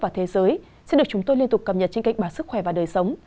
và thế giới sẽ được chúng tôi liên tục cập nhật trên kênh báo sức khỏe và đời sống